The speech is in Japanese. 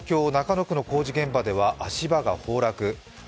東京・中野区の工事現場では足場が崩落。